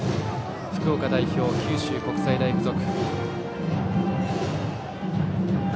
福岡代表、九州国際大付属。